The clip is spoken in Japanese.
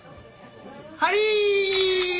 はい！